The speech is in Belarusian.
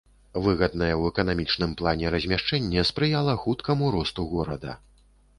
Выгаднае ў эканамічным плане размяшчэнне спрыяла хуткаму росту горада.